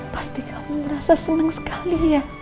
pasti kamu merasa senang sekali ya